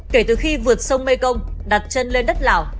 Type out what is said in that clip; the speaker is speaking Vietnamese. kể từ khi vượt sông mekong đặt chân lên đất lào